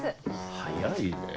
早いねぇ。